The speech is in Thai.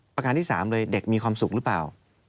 ประการที่๓เลยเด็กมีความสุขหรือเปล่า